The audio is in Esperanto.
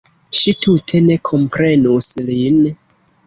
Ŝi tute ne komprenus lin.